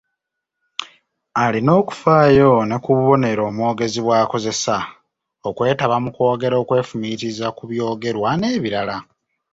Alina okufaayo ne ku bubonero omwogezi bw’akozesa, okwetaba mu kwogera okwefumiitiriza ku byogerwa n’ebirala.